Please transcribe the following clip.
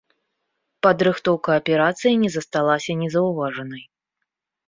Падрыхтоўка аперацыі не засталася незаўважанай.